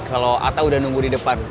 kalau ata sudah menunggu di depan